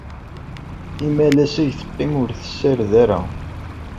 Imalas ay teqqim ur tessared ara.